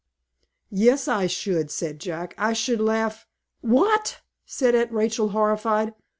"Yes, I should," said Jack. "I should laugh " "What!" said Aunt Rachel, horrified.